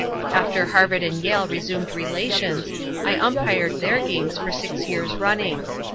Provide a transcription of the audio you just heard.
"After Harvard and Yale resumed relations, I umpired their games for six years running.